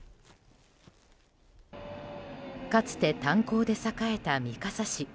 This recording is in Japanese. かつて炭鉱で栄えた三笠市。